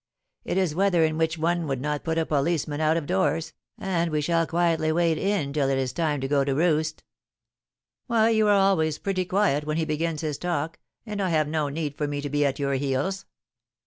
It is weather in which one would not put a policeman out of doors, and we shall quietly wait in till it is time to go to roost." "Why, you are always pretty quiet when he begins his talk, and have no need for me to be at your heels."